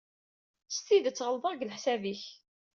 S tidet ɣelḍeɣ deg leḥsab-ik.